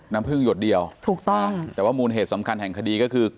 น้ำพึ่งหยดเดียวถูกต้องแต่ว่ามูลเหตุสำคัญแห่งคดีก็คือ